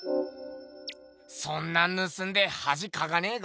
そんなんぬすんではじかかねぇか？